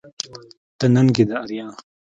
ته ننگ يې د اريا